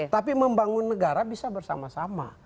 tapi membangun negara bisa bersama sama